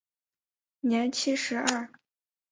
年七十二。